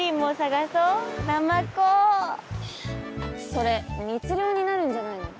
それ密漁になるんじゃないの？